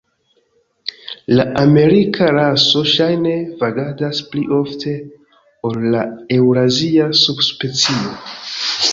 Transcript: La amerika raso ŝajne vagadas pli ofte ol la eŭrazia subspecio.